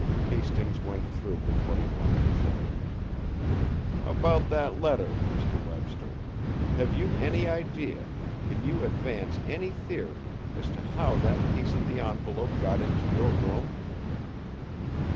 Hastings went through with what he wanted to say: "About that letter, Mr. Webster: have you any idea, can you advance any theory, as to how that piece of the envelope got into your room?"